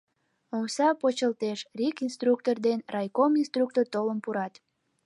Омса почылтеш, РИК инструктор ден райком инструктор толын пурат.